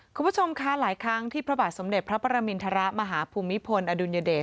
คุณผู้ชมคะหลายครั้งที่พระบาทสมเด็จพระประมินทรมาฮภูมิพลอดุลยเดช